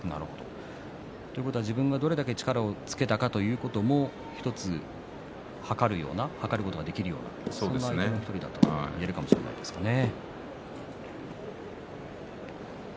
自分がどれだけ力をつけたかということも１つはかることができるようなそんな相手の１人と言えるかもしれないですね。